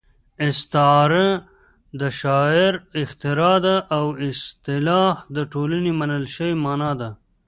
استعاره د شاعر اختراع ده او اصطلاح د ټولنې منل شوې مانا ده